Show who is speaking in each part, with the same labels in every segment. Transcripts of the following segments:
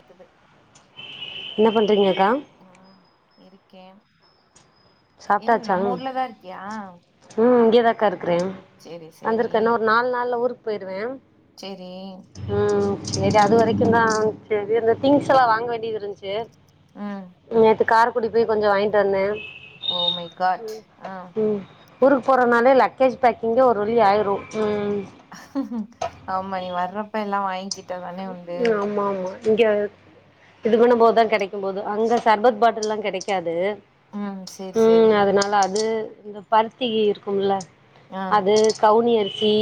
Speaker 1: கேக்குது
Speaker 2: என்ன பண்ணுறீங்கக்கா
Speaker 1: கேம்
Speaker 2: சாப்ட்டாச்சா ம் இங்கேதாக்கா இருக்கறன்
Speaker 1: சேரி சேரி
Speaker 2: வந்திருக்கே இன்னு ஒரு நாலு நாள்ல ஊருக்கு போயிருவே
Speaker 1: சேரி
Speaker 2: ம் சரி அது வரைக்கும் தா செரி இந்த திங்ஸ்லா வாங்க வேண்டியது இருந்துச்சி
Speaker 1: ம்
Speaker 2: நேத்து காரு கூடி போயி கொஞ்சம் வாங்கிட்டு வந்தேன்
Speaker 1: ஓ மை காட் ஆ
Speaker 2: ம் ஊருக்கு போறனாலே லக்கேஜி பேக்கிங்கே ஒரு வழி ஆயிரு
Speaker 1: ஆமா நீ வறப் ப எல்லாம் வாங்கிட்
Speaker 2: ம் ஆமா ஆமா இங்கே இது பண்ணும்போதான் கெடைக்கும் போது அங்க சர்பத் பாட்டல்லா கெடைக்காது
Speaker 1: ம் சேரி
Speaker 2: ம்
Speaker 1: சேரி
Speaker 2: அதனால அது இங்க பருத்தி இருக்கும் இல்ல
Speaker 1: ஆ
Speaker 2: அது கவுனி அரி சி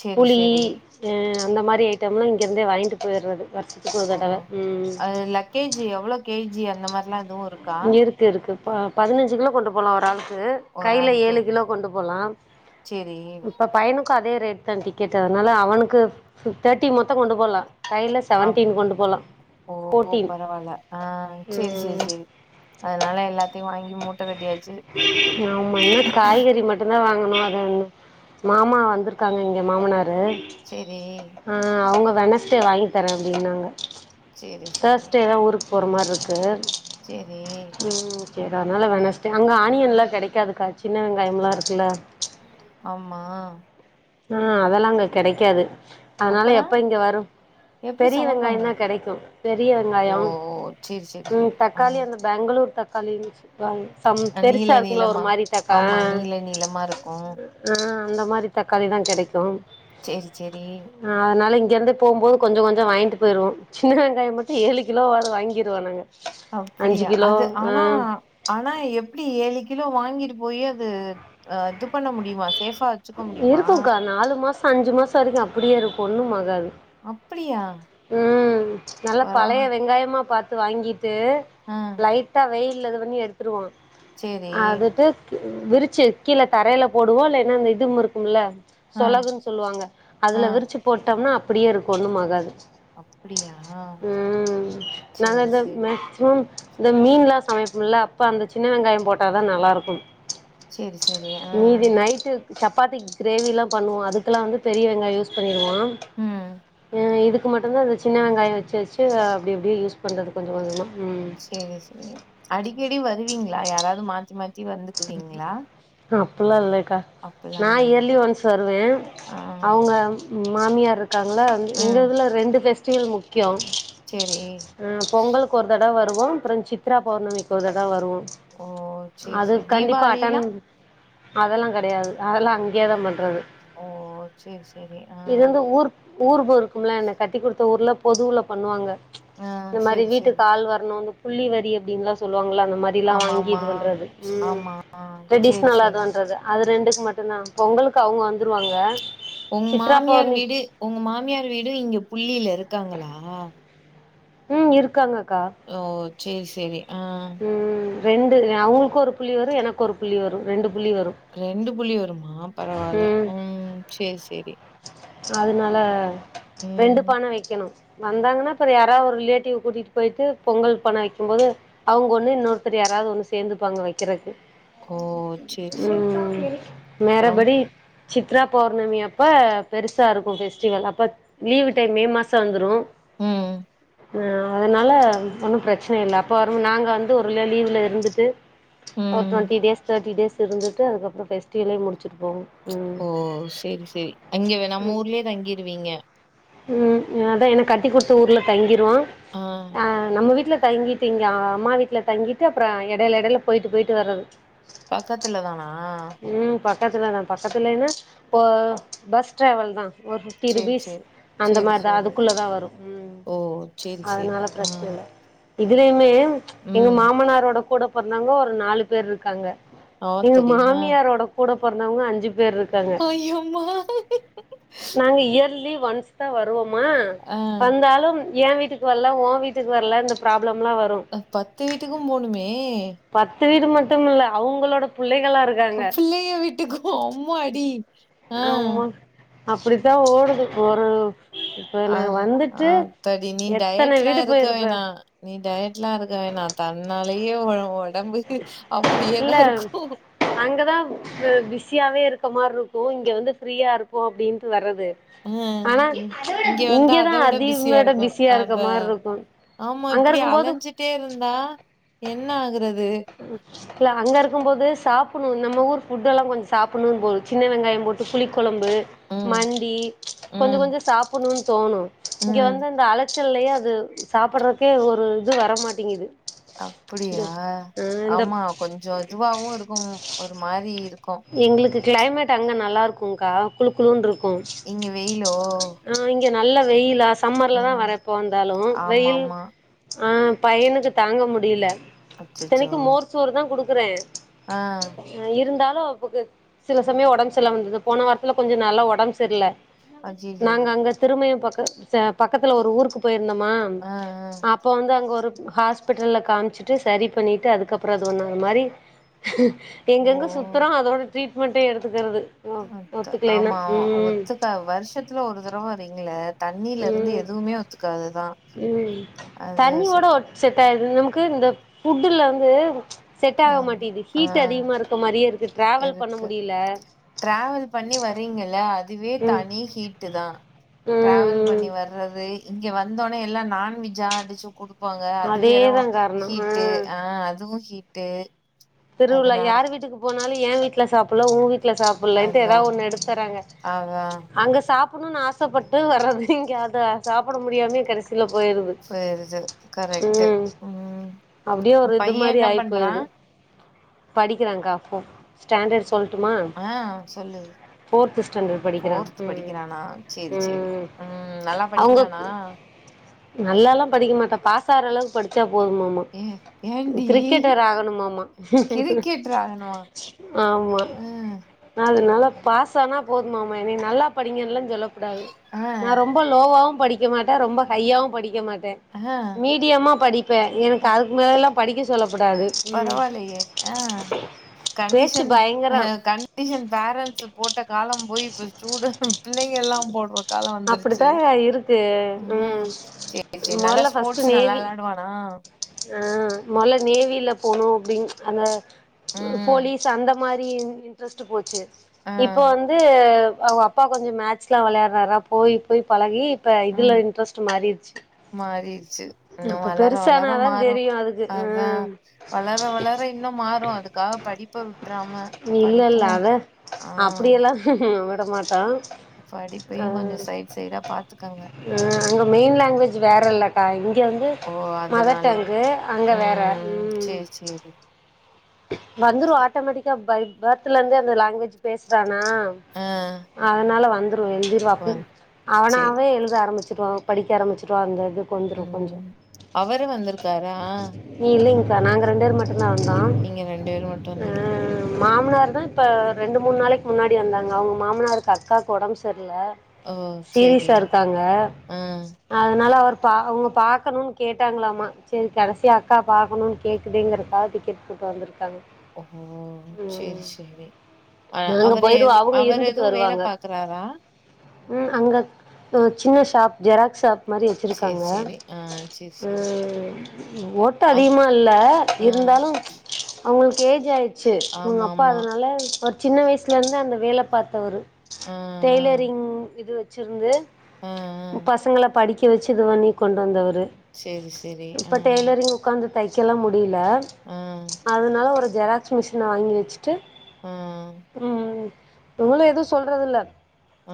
Speaker 1: சேரி
Speaker 2: புளி
Speaker 1: சேரி
Speaker 2: ஆ இந்த மாரி ஐட்டம்லா இங்க இருந்தே வாங்கிட்டு போயிறது வருஷத்துக்கு
Speaker 1: ஓ
Speaker 2: ஒருதடவ ம்
Speaker 1: அது லக்கேஜ் எவ்ளோ கேஜி அந்த மாரிலா எதுவும்
Speaker 2: இருக்கு இருக்கு ம் பதினஞ்சு கிலோ கொண்டுபோன ஒரு ஆள் து
Speaker 1: ஒரு
Speaker 2: கைல
Speaker 1: ஆளுக்கு
Speaker 2: ஏழு கிலோ கொண்டுபோலாம்
Speaker 1: சேரி
Speaker 2: இப்போ பைனு உனக்கு அதே ரேட்தா டிக்கெட்டு அதனால அவனுக்கு தேட்டி மொத்தோ கொண்டு போலா கைல
Speaker 1: அப்போ
Speaker 2: செவன்டீன் கொண்டு போலா ஃபோட்டீன்
Speaker 1: பரவால்ல ஆ சேரி சேரி
Speaker 2: ம்
Speaker 1: சேரி அதனால எல்லாத்தையு வாங்கி மூட்ட கட்டியாச்சு
Speaker 2: ஆமா என்ன காய்கறி மட்டுந் தா வாங்கணு அத மாமா வந்துருக்காங்க எங்க மாமனார் ரு
Speaker 1: சேரி
Speaker 2: ஆ அவுங்க வெனஸ் டே வாங்கி தர அப்டின்னாங்க
Speaker 1: சேரி சேரி
Speaker 2: தேர்ஸ்டே தா ஊருக்கு போற மார் இருக்கு
Speaker 1: சேரி
Speaker 2: ம் சேரி அதனால வெனஸ்ட்டே அங்க ஆனியன்லா கெடைக்காதுக்கா சின்ன வெங்காயம்லா இருக்குல்ல
Speaker 1: ஆமா
Speaker 2: ஆ அதல்லா அங்க கெடைக்காது அதனால
Speaker 1: அப்பறோ
Speaker 2: எப்ப இங்க வரு
Speaker 1: எப்டி
Speaker 2: பெரிய
Speaker 1: சமைப்பாங்க
Speaker 2: வெங்காயோந்தா கெடைக்கு பெரிய
Speaker 1: ஓ
Speaker 2: வெங்காயோ
Speaker 1: ஓ சேரி சேரி
Speaker 2: ம்
Speaker 1: சேரி ஆ
Speaker 2: தக்காளி அந்த பேங்களூர் தக் காலிலக்கு க்குளாங் சம்
Speaker 1: நீள
Speaker 2: பெருசா இருக்கும்ல ஒரு
Speaker 1: நீளமா
Speaker 2: மாரி தக்கா
Speaker 1: ஆமா நீள நீளமா இருக்கு
Speaker 2: ஆ அந்த மாரி தக் தக்காளிதா கெடைக்கும்
Speaker 1: சேரி சேரி
Speaker 2: இங்க இருந்து போம் போது கொஞ்சோ கொஞ்சோ வாங்கிட்டு போயிருவோ சின்ன வெங்காயோ மட்டு ஏழு கிலோ வாது வாங்கிருவோ நாங்க அஞ்சு
Speaker 1: அப்புடியா
Speaker 2: கிலோ
Speaker 1: அது
Speaker 2: ஆ
Speaker 1: ஆனா ஆனா எப்டி ஏழுகி கிலோ வாங்கிட்டு போயி அது அ இது பண்ண முடியுமாஸ்
Speaker 2: இருக்குங்கா நாலு மாசோ அஞ்சு மாசோ வரைக்கு அப்டியே இருக் ஒண்ணும் ஆகாது
Speaker 1: அப்டியா
Speaker 2: ம் நல்லா பழைய
Speaker 1: பரவா
Speaker 2: வெங்காயமா பாத் து வாங்கி டு
Speaker 1: ஆ
Speaker 2: லைட்டா வெய் இல்ல இது பண்ணி எடுத்துருவா
Speaker 1: சேரி
Speaker 2: அதுட்டு விரிச்சு கீழ தரைல போடுவோ இல்லைனா இந்த இதும் இருக்குமுல்ல
Speaker 1: ஆ
Speaker 2: சொளகுன்‌ சொல்வாங்க
Speaker 1: ஆ
Speaker 2: அதுல விரிச்சு போட்டம்னா அப் புடியே இருக்கு ஒன்னும்ஆகாது
Speaker 1: அப்டியா
Speaker 2: ம் நாங்க
Speaker 1: சேரி
Speaker 2: அந்த
Speaker 1: சேரி
Speaker 2: மேக்சிமெம் இந்த மீன்லா சமைப்பொம்ல அப்ப அந்த சின்ன வெங்காயம் போட்டாதா நல்லாருக்கும்
Speaker 1: சேரி சேரி ஆ
Speaker 2: சப்பாத்திக் கிரேவிலா பண்ணுவோ அதுக்குலா வந்து பெரிய வெங்காய யூஸ் பண்ணி டுவோ
Speaker 1: ம்
Speaker 2: ஆ இதுக் கு மட்டுந்தா இந்த சின்ன வெங்காய வச்சு வச்சு அப்டி அப்டியே யூஸ் பண்றது கொஞ்ச கொஞ்சமா ம்
Speaker 1: சேரி சேரி அடி க்கடி வருவீங்ளா யாராவ்து மாத்தி மாத்
Speaker 2: அ ப்புல்லா இல்ல க்கா
Speaker 1: அப்டிலா
Speaker 2: நா
Speaker 1: இல்லையா
Speaker 2: இயர்லி ஒன்ஸ் வருவே
Speaker 1: ஆ
Speaker 2: அவுங்க மாமியாரு க்காங்ளா எங்க
Speaker 1: ம்
Speaker 2: இதுல ரெண்டு பேஸ் [unintelligible] மு க்கியொ
Speaker 1: சேரி
Speaker 2: ம் பொங்கல்க்கு ஒரு தட வ ருவோ அப்றொ சித்ரா பௌர்ணமிக்கு ஒரு தடவ் வருவோ
Speaker 1: ஓ சேரி சேரி
Speaker 2: அதுக் கண்டிப்பா அட்டன்
Speaker 1: தீபாவளிலா
Speaker 2: அதல்லாங் கடயாது அதல்லா அங்கியே தா பண்றது
Speaker 1: ஓ சேரி சேரி ஆ
Speaker 2: இது வந்து ஊர் ஊர் போருக்கும்ல என்ன கட்டி குடுத்த ஊர்ல பொதுவுல பண்ணுவாங்க
Speaker 1: ஆ
Speaker 2: இந்த மாரி
Speaker 1: சேரி
Speaker 2: வீட்டுக்கு
Speaker 1: சேரி
Speaker 2: ஆள் வர்னூனு புள்ளி வரி அப்டின்லா சொல் வாங்கள அந்த மாரிலா
Speaker 1: ஆமா
Speaker 2: வாங்கி
Speaker 1: ஆமா
Speaker 2: இது பண்றது ம்
Speaker 1: ஆமா சேரி
Speaker 2: டிரெடிஷ்னலா அது
Speaker 1: சேரி
Speaker 2: வன்றது அது ரெண்டு மட்டுந்தா பொங்கலுக்கு அவுங்க வந்
Speaker 1: ஒங்க மாமியார் வீடு ஒங்க மாமியார் வீடு இங்க புள்ளிலருக் இருக்காங்களா
Speaker 2: உம் இருக்காங்க
Speaker 1: ஓ சேரி சேரி ஆ
Speaker 2: உம் ரெண்டு அவுங்களுக்கு ஒரு புள்ளி வரு எனக்கு ஒரு புள்ளி வரு ரெண்டு புள்ளி வரு
Speaker 1: ரெண்டு புள்ளி வருமா பரவால்ல
Speaker 2: ம்
Speaker 1: உம் சேரி சேரி
Speaker 2: அதனால ரெண்டு
Speaker 1: ம்
Speaker 2: பான வக்கணு வந்தாங்கன்னாப் பெற யாரா ஒரு ரிலேட்டிவ் கூட்டிகிட்டு போயிட்டு பொங்கல் பான வக்கும்போது அவுங்க ஒன்னு இன்னொருத்தர் யாராவது ஒன்னு சேந்துப்பாங்க வக்குறதுக்கு
Speaker 1: ஓ சேரி சேரி
Speaker 2: உம் நேர
Speaker 1: அப்றம்
Speaker 2: படி சித்ரா பௌர்ணமி அப்ப பெருசா இருக்கு ஃபெஸ்டிவல் அப்ப லீவு டைம் மே மாச வந்துரு
Speaker 1: உம்
Speaker 2: ஆ அதனால ஒன்னும் பிரச்சன இல்ல அப்ப வரும் நாங்க வந்து ஒருநா லீவுல இருந்துட்டு ஒரு
Speaker 1: ம்.
Speaker 2: டொன்டி டேஸ் தேட்டி டேஸ் இருந்துட்டு அதுக்கப்றோ பெஸ்டிலே முடிச்சு
Speaker 1: ஓ சேரி சேரி இங்க நம்ம ஊர்லயே தங்கிருவீங்க
Speaker 2: உம் அதா என கட்டி குடுத்த ஊர்ல தங்கி ஆ நம்ம வீட்ல தங்கிட்டு இங்க அம்மா வீட்ல தங்கிட்டு அப்ற எடைல எடைல போயிட்டு போயிட்டு வர்றது
Speaker 1: பக்கத்துல தானா
Speaker 2: ம் பக்கத்துல தா பக்கத்துலன்னா இப்போ பஸ் டிராவல் தா ஒரு ஃபிப்டி
Speaker 1: சரி,
Speaker 2: ருபீஸ்
Speaker 1: சரி.
Speaker 2: அந்த
Speaker 1: சரி,
Speaker 2: மாரிதா
Speaker 1: சரி.
Speaker 2: அதுக்குள்ளதா வரு உம்
Speaker 1: ஓ! சரி, சரி.
Speaker 2: அதனால
Speaker 1: ஆ.
Speaker 2: பிரச்சன இல்ல இதுலயுமே எங்க
Speaker 1: ம்.
Speaker 2: மாமனாரோட கூட பொறந்தாங்கோ ஒரு நாலு பேர் இருக்காங்க எங்க
Speaker 1: ஆத்தாடி!
Speaker 2: மாமியாரோட கூடப் பொரந்தவங்க அஞ்சு
Speaker 1: அய்யோம்மா
Speaker 2: ஒன்ஸ்தா வருவம் மா வந்தாலும் ஏ வீட்டுக்கு வரல உ வீட்டுக்கு வரல இந்த ப்ராப்
Speaker 1: அ பத்து வீட்டுக்கு போணுமே
Speaker 2: பத்து வீடு மட்டும் இல்ல அவங்களோட பிள்ளை
Speaker 1: அ பிள்ளைய வீட்டுக்கு அம்மாடி ஆ.
Speaker 2: ஆமா அப்டித்தா ஓடுது ப்ப ஒரு இப்ப
Speaker 1: ஆ
Speaker 2: நா
Speaker 1: ஆ
Speaker 2: வந்துட்டு
Speaker 1: தாடி நீ
Speaker 2: எத்தன
Speaker 1: டயட்லா
Speaker 2: வீடு
Speaker 1: இருக்க
Speaker 2: போயிருப்ப
Speaker 1: வேணா நீ டயட்லா இருக்க வேணா தன்னா [unintelligible]
Speaker 2: இல்ல அங்கதா ப பிஸியாவே இருக் இருக்க மார் இருக்கு இங்க வந்து ஃப்ரீயா இருக்கு அப்டின்டுவர்றது
Speaker 1: ஹ இங்க வந்தா
Speaker 2: இங்கதா
Speaker 1: அத விட பிஸியா
Speaker 2: அதிகமேட
Speaker 1: இருக்கு
Speaker 2: பிஸியா இருக்க
Speaker 1: அதா
Speaker 2: மாரி இருக்கு
Speaker 1: ஆமா
Speaker 2: அங்க
Speaker 1: இப்டி
Speaker 2: இருக்கும் போது
Speaker 1: அலஞ்சிட்டே இருந்தா என்ன ஆகிறத்
Speaker 2: இல்ல அங்க இருக்கு போது சாப் புன்னு நம்ம ஊர் ஃபுட்டெல்லா கொஞ்ச சாப்பின்ணு போலா சின்ன வெங்காயம் போட்டு புளிக் கொழம்பு
Speaker 1: ம்
Speaker 2: மந்தி கொஞ்ச
Speaker 1: ம்
Speaker 2: கொஞ்சோ சாப்பிட்ணுனு தோணு இங்க
Speaker 1: ம்
Speaker 2: வந்து அந்த ஆலச் ச்சல்லயே அது சாப்பிடறக்கே ஒரு இது வரமாட்டேங்குது இது
Speaker 1: அப்படியா
Speaker 2: ஆ இந்த
Speaker 1: ஆமா கொஞ்சோ இதுவாவு இருக்கு ஒரு மாரி இருக்கு
Speaker 2: எங்ளுக்கு கிளைமேட் அங்க நல்லா இருக்கு கா குழு குழுனு இருக்
Speaker 1: இங்க வெயிலோ
Speaker 2: ங்க நல்ல வெயிலாஸ் சம்மர்ல்ல தா
Speaker 1: ம்
Speaker 2: வரே எப்ப வந்தாலு
Speaker 1: ஆமா
Speaker 2: வெயில்
Speaker 1: ஆமா
Speaker 2: ஆ பையனுக்கு தாங்க முடியல
Speaker 1: அச்சச்சோ
Speaker 2: இத்தனைக்கு மோர்ச்சோறு தா குடுத் இருக்குறே
Speaker 1: ஆ
Speaker 2: ஆ இருந்தாலு பர [unintelligible] க்கு சில சமய ஒடம்பு சரியில்லாம வந்தது போன வாரத்ல கொஞ்சோ நல்லா ஒடம்பு சரியில்ல
Speaker 1: அய்யய்யோ
Speaker 2: நாங்க அங்க திரும்பையு பக்க பக்கத்ல ஒரு ஊருக்கு போய் இருந்தமா
Speaker 1: ஆ ஆ
Speaker 2: அப்ப வந்து அங்க ஒரு ஹாஸ்பிட்டலில காமிச்சுட்டு சரி பண்ணிட்டு அதுக்கப்புறோ அது ஒன்னு அந்த மாரி
Speaker 1: ஓ
Speaker 2: எங்கெங்க சுத்துறோ அப்றோ ட்ரீட்மெண்ட்டே எடுத்துக்கிறது
Speaker 1: அ
Speaker 2: ஒத்துக்கலைன்னா
Speaker 1: ஆமா
Speaker 2: ம்
Speaker 1: ஒத்துக்க வருஷத்துல ஒரு தடவ வரீங்கள தண்ணீல இருந்து எதுவுமே ஒத்துக்காதுதா
Speaker 2: உம்
Speaker 1: அது ச
Speaker 2: தண்ணியோட நமக்கு இந்த ஃபுட்டுல வந்து செட்
Speaker 1: ஆ
Speaker 2: ஆக மாட்டேது
Speaker 1: ஆ
Speaker 2: ஹீட் அதிகமா இருக்க மாரியே இருக்கு டிராவல் பண்ண
Speaker 1: இருக்கு
Speaker 2: முடியல
Speaker 1: டிராவல் பண்ணி வர்ரீங்கள அதுவே
Speaker 2: ம்
Speaker 1: தனி ஹீட்டு தா
Speaker 2: ம்
Speaker 1: டிராவல்
Speaker 2: ம்
Speaker 1: பண்ணி வர்றது இங்க வந்தோனே எல்லா நான்வெஜ்ஜ அடிச்சு குடுப்பாங்க அது வேற
Speaker 2: அதேதா காரணோ
Speaker 1: ஹீட்டு ஆ அதுவு ஹீட்டு
Speaker 2: திருவிழா
Speaker 1: அதனால
Speaker 2: யார் வீட்டுக்கு போனாலு ஏ வீட்ல சாப்பிடல ஓ வீட்டு வீட்ல சாப்பிடலன்ட்டு
Speaker 1: அதா
Speaker 2: எதாது ஒன்னு எடுத்தறாங்க
Speaker 1: அதா
Speaker 2: அங்க சாப்ப சாப்பிடணும்னு ஆசப்பட்டு வர்றது இங்க அதாவது சாப்பிட முடியாமே கடைசி போயிருது
Speaker 1: போயிருது கரெக்ட்டு
Speaker 2: உம்
Speaker 1: ம்
Speaker 2: அப்டியே ஒரு இது
Speaker 1: பைய
Speaker 2: மாதிரி
Speaker 1: என்ன
Speaker 2: ஆயி
Speaker 1: பண்றா
Speaker 2: போயிருது படிக்கிறாங்காப்ப ஸ்டாண்டர்ட்ஸ் சொல்லட்டுமா
Speaker 1: ஆ சொல்லு
Speaker 2: போர்த் ஸ்டாண்டர்ட் படிக்கிற
Speaker 1: ஃபோர்த்து படிக்கிறானா சேரி சேரி ம் நல்லா
Speaker 2: அவங்க
Speaker 1: படிக்கிறானா
Speaker 2: ம்ம் நல்லால்லாம் படிக்க மாட்டங்க சார் ஒர் அளவு படிச்சா போதுமாம்மா
Speaker 1: ஏ ஏண்டி
Speaker 2: கிரிக்கெட்டர் ஆகணுமாம்மா
Speaker 1: கிரிக்கெட் ஆகணுமா
Speaker 2: ஆமா
Speaker 1: ம்
Speaker 2: நா அதனால பாஸ் ஆனா போதும்மாம என்னைய நல்லா படிங்கல சொல்லக்கூடாது
Speaker 1: ஆ
Speaker 2: நான் ரொம்ப லோவாவவும் படிக்க படிக்க மாட்டேன் ரொம்ப ஹைய்யாவும் படிக்க மாட்டேன்
Speaker 1: ஆ
Speaker 2: மீடியமா படிப்பேன் எனக்கு அதுக்கு மேலல்லாம் படிக்க சொல்ல கூடாது ம்
Speaker 1: யே
Speaker 2: பேச்சு பயங்கரோ
Speaker 1: கண்டிஷன் பேரண்ஸ் போட்ட காலம் போய் சூடு பிள்ளைங்க எல்லாம் போடுற காலம் வந்துருச்சு
Speaker 2: அப்படித்தா இருக்கு
Speaker 1: அதான்
Speaker 2: ம்
Speaker 1: சரி சரி நல்லா ஸ்போர்ட்ஸ் நல்லா வெளயாடுவானா
Speaker 2: ஆஹ் மொள்ள நேவில போனும் அப்படின் அந்த
Speaker 1: ம் ம்
Speaker 2: போலீஸ் அந்த மாதிரி இன்ட்ரெஸ்ட் போச்சு
Speaker 1: ஆ
Speaker 2: இப்போ வந்து அவங்க அப்பா கொஞ்சம் மேட்ச எல்லாம் விளையாடுனாரா போய் போய் பழகி இப்ப இதுல
Speaker 1: ம்
Speaker 2: இன்ட்ரஸ்ட் மாறிடுச்சு இப்ப பெருச
Speaker 1: ள மாறும் அதான் வளர வளர இன்னும் மாறும் அதுக்காக படிப்ப விட்டுறாம
Speaker 2: இல்ல இல்ல
Speaker 1: படிப்பும்
Speaker 2: அத
Speaker 1: ஆஹ்
Speaker 2: அப்டியெல்லா விட மாட்டான்
Speaker 1: கொஞ்சோ
Speaker 2: அஹ்
Speaker 1: சைட் சைடா பாத்துக்கங்க
Speaker 2: ஆஹ் அங்க மெயின் லாங்குவேஜ் வேற இல்லக்கா இங்க வந்து
Speaker 1: ஓ
Speaker 2: மதர்
Speaker 1: அதனாலே
Speaker 2: டங்கு அங்க வேற
Speaker 1: உம் சரி சரி
Speaker 2: வந்துரும் ஆட்டோமெட்டிகா பர்தல இருந்து அந்தலாங்குவேஜ் பேசுறாங்க
Speaker 1: ஆ
Speaker 2: நான் அதனால வந்து எழுந்திருவாப்ப
Speaker 1: வந் சேரி
Speaker 2: அவனாவே எழுத ஆரம்பிச்சிருவான் படிக்க ஆரம்பிச்சுட்டுவான் இருந்தது கொந்துரும்
Speaker 1: ம்
Speaker 2: கொஞ்சோம்
Speaker 1: அவரு வந்திருக்காரா
Speaker 2: நீ இல்லிங் நாங்க ரெண்டு ஏர் மட்டு நாந்தா
Speaker 1: நீங்க ரெண்டு ஏர் மட்டு வந்தீங்ளா
Speaker 2: தா இப்ப ரெண்டு மூணு நாளைக்கு முன்னாடி வந்தாங்க அவுங்க மாமனார்ருக்கு அக்காக்கு ஒடம் சர் இல்ல
Speaker 1: ஓ சேரி
Speaker 2: சீரிஸா இருக்காங்க
Speaker 1: ஆ
Speaker 2: அதுனால அவரு பா அவங்க பாக்கணுன் கேட்டாங்களாமா சரி கடசியா அக்கா பாக்கணுன் கேக்குதேங்கிறகாக டிக்கெட் போட்டு வந்துரு தங்
Speaker 1: ஓ சேர் சேரி அ
Speaker 2: நாங்க
Speaker 1: அவரு
Speaker 2: போயிருவோ
Speaker 1: எது
Speaker 2: அவங்க
Speaker 1: அவரு
Speaker 2: இருந்துட்டு
Speaker 1: எதுவும் வேலை
Speaker 2: வருவாங்க
Speaker 1: பாக்குறாரா
Speaker 2: ஜெராகஸ் ஷாப் மாரி
Speaker 1: சேரி
Speaker 2: வச்சிருக்காங்க
Speaker 1: சேரி ஆ சேரி சேரி
Speaker 2: ஒட்டோ
Speaker 1: அது
Speaker 2: அதிகமா இல்ல
Speaker 1: ஆ
Speaker 2: இருந்தாலும் உங்ளுக்கு ஏஜ் ஆயிச்சு உங்க
Speaker 1: ஆமா
Speaker 2: அப்பா
Speaker 1: ஆமா
Speaker 2: அதுனால அவுர் சின்ன வயிசுலருந்து அந்த வேல பாத்தவரு
Speaker 1: ஆ ஆ
Speaker 2: டெய்லரிங் இது வச் சுருந்து
Speaker 1: ஆ ஆ
Speaker 2: பசங்ள படிக் கி வச்சு இது பண்ணி கொண்டு வந்தவரு
Speaker 1: சேரி சேரி
Speaker 2: இப்ப
Speaker 1: ஆ
Speaker 2: டெய்லரிங் ஒக்காந்து தையிஸ்லலா முட் டில
Speaker 1: ஆ
Speaker 2: அதுனால ஒரு ஜெராக்ஸ் மிஷின் வாங்கி வச்சு டு
Speaker 1: ஆ
Speaker 2: ம் உங்கள எதும் சொல்றதுல்ல
Speaker 1: ஆ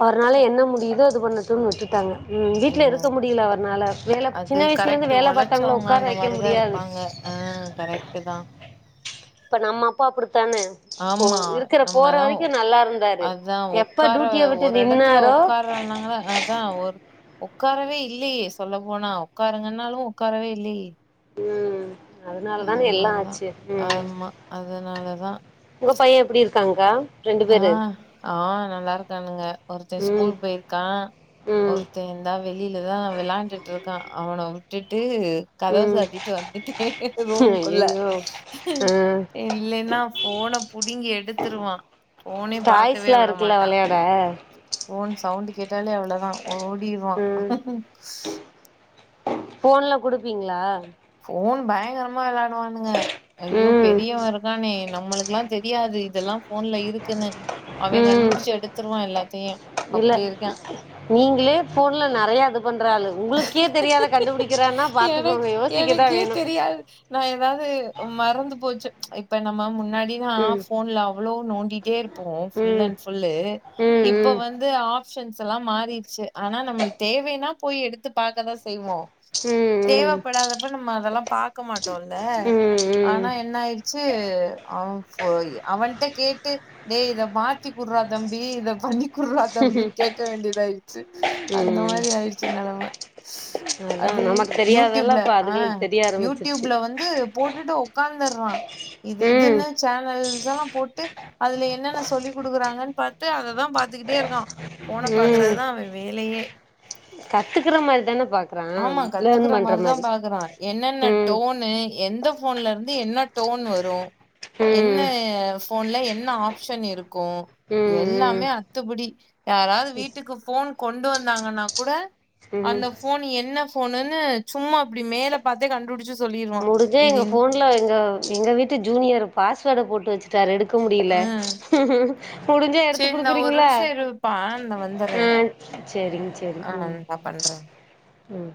Speaker 2: அவர்னால
Speaker 1: ஓ
Speaker 2: என்ன முடியிதோ இது பண்ணட்டுன் விட்டுடாங்க ம்
Speaker 1: ஓ
Speaker 2: வீட்ல இருக்க முடில அவர்னால வேல
Speaker 1: அது
Speaker 2: சின்ன வயிசுலருந்து
Speaker 1: கரெக்ட்
Speaker 2: வேல பாத்தவங்கள
Speaker 1: ஒழச்சவங்க
Speaker 2: ஒக்கார வைக்க முடியாது
Speaker 1: கரெக்ட்டு தா
Speaker 2: இப்ப நம்ம அப்பா அப்டி
Speaker 1: ஆமா நம்மதா
Speaker 2: வரைக்கு நல்லா இருந்தாரு
Speaker 1: அதான்
Speaker 2: எப்ப
Speaker 1: ஒக்கார
Speaker 2: டியூட்டிய விட்டு
Speaker 1: ஒரு எடத்துல
Speaker 2: நின்னாரோ
Speaker 1: உக்கார்னாங்க அதான் ஒரு ஒக்காரவே இல்லேயே சொல்ல போனா உட்காருங்கன்னாலும் உக்கார்வே இல்லயே
Speaker 2: ம் அதனாலதான எல்லாம்
Speaker 1: மாதிரிதான்
Speaker 2: ஆச்சு ம்
Speaker 1: ஆமா அதனாலதான்
Speaker 2: உங்க பயன் எப்டி இருக் காங்க
Speaker 1: ஆ ஆ நல்லா இருக்கானுங்க ஒருத்தன்
Speaker 2: ம்
Speaker 1: ஸ்கூல் போயிருக்கான்
Speaker 2: ம்
Speaker 1: ஒருத்தன் இந்தா வெளிலதான் விளாண்டுட்டுருக்கான் அவனாவே விட்டுட்டு கதவ
Speaker 2: ம்
Speaker 1: சாத்திட்டு வந்துட்டே ரூமுக்குள்ள
Speaker 2: ஐயயோ ஆ
Speaker 1: இல்லன்னா ஃபோன புடிங்கி எடுத்துருவான் ஃபோனே பாக்கவே
Speaker 2: டாய்ஸ்லா
Speaker 1: விட
Speaker 2: இருக்குல்ல
Speaker 1: மாட்டா
Speaker 2: வெளையாட
Speaker 1: ஃபோன் ச வுண்டு கேட்டாலே அவ்ளோதான் ஓடிர்வான்
Speaker 2: ம் ஃபோன்லா குடுப்பீங்களா
Speaker 1: ஃபோன் பயங்ர மா விளாடுவானுங்க ஐயோ
Speaker 2: ம்
Speaker 1: பெரியவன் இருக்கானே நம்மளுக்குலாம் தெரியாது இதெல்லாம் ஃபோன்ல இருக்குன்னு அவேன்
Speaker 2: ம்
Speaker 1: கண்டுபுடுச்சு எடுத்ருவான் எல்லாத்தையும்
Speaker 2: இல்ல
Speaker 1: அப்டி இருக்கான்
Speaker 2: நீங்களே போன்ல நெறைய இது பண்ற ஆளு உங்களுக்கே தெரியாத கண்டுபிடிக்கிறான்னா
Speaker 1: எனக்கு
Speaker 2: பாத்துக்கோங்க யோசிக்கதான்
Speaker 1: எனக்கே
Speaker 2: வேணும்
Speaker 1: தெரியாது நா ஏதாவது மறந்து போச்சு இப்ப நம்ம முன் னாடிலாம்
Speaker 2: ம்
Speaker 1: ஃபோன்ல அவ்ளோ நோண்டிடே இரு போம் ஃபுல்
Speaker 2: ம்
Speaker 1: அண்ட் ஃபுல்லு
Speaker 2: ம்
Speaker 1: இப்ப
Speaker 2: ம்
Speaker 1: வந்து ஆப் ஷன்ஸ் எல்லாம் மாறிடுச்சு ஆனா நம்ம தேவைனா போய் எடுத் து பாக்கதான் செய்வோம்
Speaker 2: ம்
Speaker 1: தேவைப்படாதப்ப நம்ம அதெல்லாம் பாக்க மாட்டோம்ல
Speaker 2: ம்
Speaker 1: ஆனா
Speaker 2: ம்
Speaker 1: என்ன ஆயிடுச்சு அவன் அவன்ட கேட் டேய் இத மாத்தி குடுறா தம்பி இத பண்ணி குருறா தம்பினு கேட்க வேண்டியதாயிடுச்சு அந்த
Speaker 2: ம் ம்
Speaker 1: மாதிரி ஆயிடுச்சு நெலமை
Speaker 2: அதா
Speaker 1: அது
Speaker 2: நமக்கு
Speaker 1: யூ
Speaker 2: தெரியாதெல்லா
Speaker 1: டியூப்ல
Speaker 2: இப்ப
Speaker 1: ஆ
Speaker 2: அதுகளுக்கு தெரிய
Speaker 1: யூ
Speaker 2: ஆரம்பிச்சிருச்சு
Speaker 1: டியூப்ல வந்து போட்டுட்டு உக்கா உட்காந்துருறான் இது
Speaker 2: ம்
Speaker 1: இதுன்னு சேனல் எல்லாம் போட்டு அதுல என்னென்ன சொல்லி் குடுக்குறாங்கன்னு பாத் து அதைதான் பாத்துக்கிட்டே இருக்கான் ஃபோன்ன பாக்குறதுதான் அவன் வேலையே [inaudible]
Speaker 2: கத்துக்குற மாரிதானப்
Speaker 1: ஆமா கத்துக்கற மாரிதாம் பாக்குறாங்க என்னென்ன
Speaker 2: ம்
Speaker 1: டோனு எந்த ஃபோன்ல இருந்து என்ன டோன் வரு என்ன
Speaker 2: ம்
Speaker 1: ஃபோன்ல என் என்ன ஆஃப்ஷன் இருக் கு
Speaker 2: ம்
Speaker 1: எல்லாமே அத்துபடி யாராவது வீட்டுக்கு ஃபோன் கொண்டு வந்தாங்கன்னா கூட
Speaker 2: ம்
Speaker 1: னி என்ன ஃபோனுன்னு சும்மா அப்டி மேல பாத்தே கண்டு புடுச்சுஸ்
Speaker 2: முடுஞ்சா எங்க ஃபோன்ல எங்க எங்க வீட்டு ஜூனியர் பாஸ்வோட போட் டு வெச்சுட்டாரு எடுக்க முடியல
Speaker 1: ம்
Speaker 2: முடுஞ்சா எடுத்து
Speaker 1: சரி நான் ஒரு
Speaker 2: குடுக்குறீங்களா
Speaker 1: நிமிஷம் இருப்பான் நான்
Speaker 2: ஆ
Speaker 1: வந்துடுறேன்
Speaker 2: சேரிங் சேரிங்
Speaker 1: ஆ
Speaker 2: ம்
Speaker 1: நான் பண்றேன்
Speaker 2: ம்